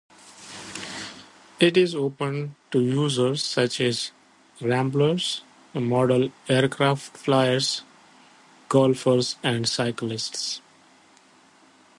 It is open to users such as ramblers, model aircraft flyers, golfers and cyclists.